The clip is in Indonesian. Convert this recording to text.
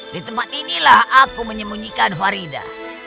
di tempat inilah aku menyembunyikan farida